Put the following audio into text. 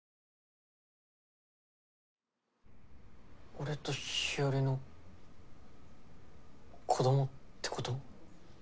俺と日和の子どもってこと？